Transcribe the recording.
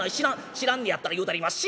知らんねやったら言うたります。